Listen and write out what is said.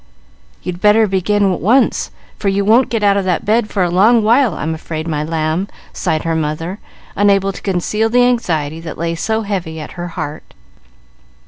"You'd better begin at once, for you won't get out of that bed for a long while, I'm afraid, my lamb," sighed her mother, unable to conceal the anxiety that lay so heavy on her heart.